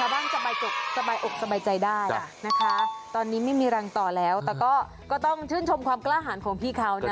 สบายอกสบายใจได้นะคะตอนนี้ไม่มีรังต่อแล้วแต่ก็ต้องชื่นชมความกล้าหารของพี่เขานะ